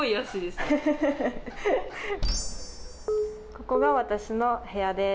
ここが私の部屋です。